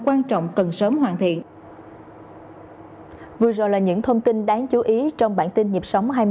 quan trọng cần sớm hoàn thiện vừa rồi là những thông tin đáng chú ý trong bản tin nhịp sống hai mươi